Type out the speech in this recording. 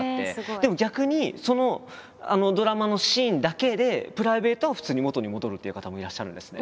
でも逆にそのドラマのシーンだけでプライベートは普通に元に戻るっていう方もいらっしゃるんですね。